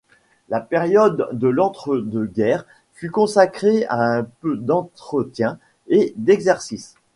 La période de l'entre-deux-guerres fut consacrée à un peu d'entretien et d'exercice.